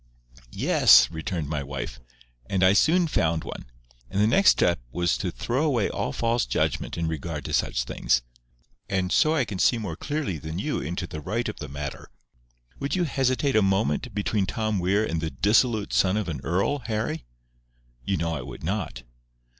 "Yes," returned my wife; "and I soon found one. And the next step was to throw away all false judgment in regard to such things. And so I can see more clearly than you into the right of the matter.—Would you hesitate a moment between Tom Weir and the dissolute son of an earl, Harry?" "You know I would not."